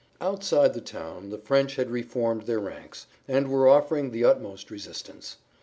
Outside the town the French had reformed their ranks, and were offering the utmost resistance.